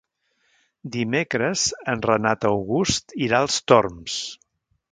Dimecres en Renat August irà als Torms.